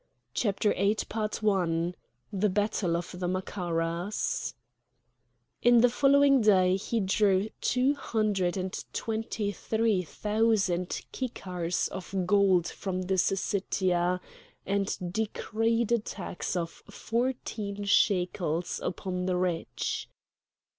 CHAPTER VIII THE BATTLE OF THE MACARAS In the following day he drew two hundred and twenty three thousand kikars of gold from the Syssitia, and decreed a tax of fourteen shekels upon the rich.